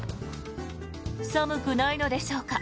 寒くないのでしょうか